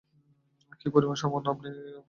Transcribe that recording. কি পরিমাণ সম্মান আপনি ভোগ করেন?